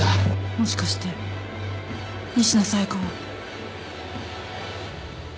もしかして仁科紗耶香は。